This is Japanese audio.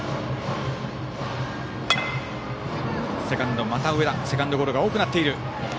セカンドゴロが多くなっている。